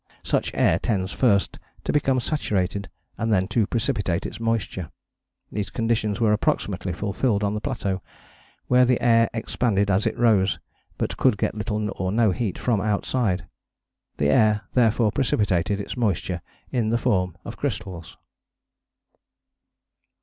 Such air tends first to become saturated, and then to precipitate its moisture. These conditions were approximately fulfilled on the plateau, where the air expanded as it rose, but could get little or no heat from outside. The air therefore precipitated its moisture in the form of crystals.